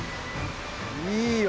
いいよ。